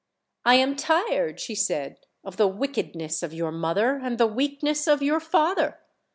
"I am tired/* she said, "of the wickedness of your mother, and the weakness of your father.